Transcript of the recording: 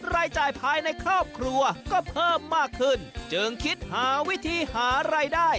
รายจ่ายภายในครอบครัวก็เพิ่มมากขึ้นจึงคิดหาวิธีหารายได้